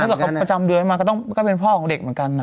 ถ้าเกิดเขาประจำเดินใหม่มาก็ต้องก็เป็นพ่อของเด็กเหมือนกัน